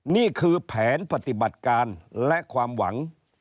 นี่คือแผนปฏิบัติการและความหวัง